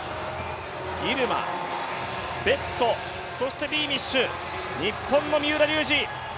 ギルマ、ベット、そしてビーミッシュ、日本の三浦龍司。